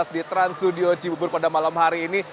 di trans studio cibubur pada malam hari ini